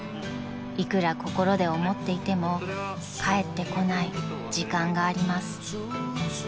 ［いくら心で思っていてもかえってこない時間があります］